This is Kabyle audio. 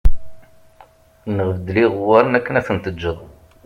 Neɣ beddel iɣewwaṛen akken ad ten-teǧǧeḍ